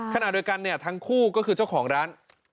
ขณะเดียวกันเนี่ยทั้งคู่ก็คือเจ้าของร้าน